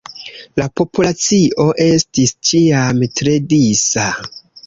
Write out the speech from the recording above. La populacio estis ĉiam tre disa.